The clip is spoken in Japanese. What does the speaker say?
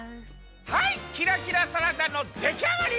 はいキラキラサラダのできあがり！